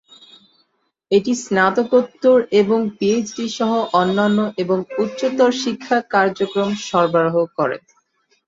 এটি স্নাতকোত্তর এবং পিএইচডি সহ অন্যান্য এবং উচ্চতর শিক্ষা কার্যক্রম সরবরাহ করে।